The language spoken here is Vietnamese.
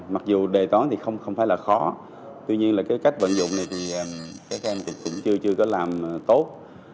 mặc dù đề tón thì không phải là khó tuy nhiên là cái cách vận dụng này thì các em thì cũng chưa có làm tốt